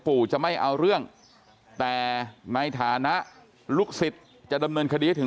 จะไม่เอาเรื่องแต่ในฐานะลูกศิษย์จะดำเนินคดีให้ถึง